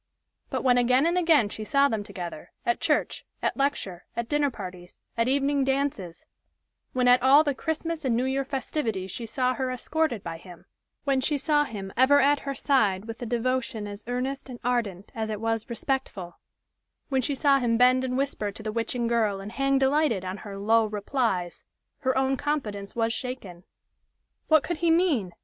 But when again and again she saw them together, at church, at lecture, at dinner parties, at evening dances; when at all the Christmas and New Year festivities she saw her escorted by him; when she saw him ever at her side with a devotion as earnest and ardent as it was perfectly respectful; when she saw him bend and whisper to the witching girl and hang delighted on her "low replies," her own confidence was shaken. What could he mean?